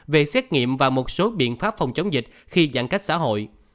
về xét nghiệm và một số biện pháp phòng chống dịch khi giãn cách xã hội